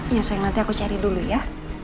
iya sayang nanti aku cari dulu ya